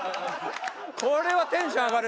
これはテンション上がる！